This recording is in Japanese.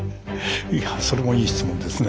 いやぁそれもいい質問ですね。